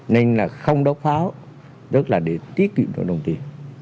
nên là không đốt pháo tức là để tiết kiệm được đồng tiền